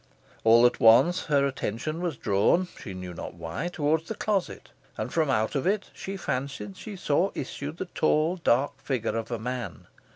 All at once her attention was drawn she knew not why towards the closet, and from out it she fancied she saw issue the tall dark figure of a man.